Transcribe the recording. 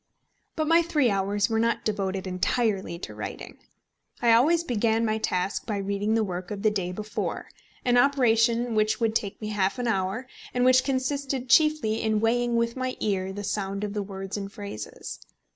But my three hours were not devoted entirely to writing. I always began my task by reading the work of the day before, an operation which would take me half an hour, and which consisted chiefly in weighing with my ear the sound of the words and phrases.